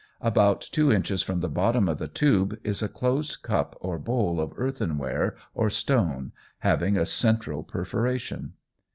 About two inches from the bottom of the tube, is a closed cup or bowl of earthenware or stone, having a central perforation.